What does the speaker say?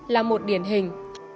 là một điển hình